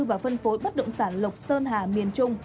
và phân phối bất động sản lộc sơn hà miền trung